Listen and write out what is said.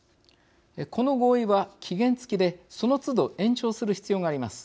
この合意は期限つきでそのつど延長する必要があります。